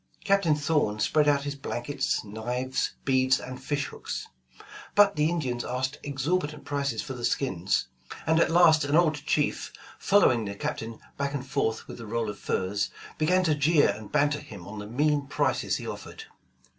Captain Thorn spread out his blankets, knives, beads and fish hooks, but the Indians asked exorbitant prices for the skins, and at last an old chief, following the Captain back and forth with a roll of furs, began to jeer and banter him on the mean prices he offered.